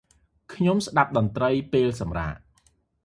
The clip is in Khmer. ខ្ញុំស្តាប់តន្ត្រីពេលសម្រាក។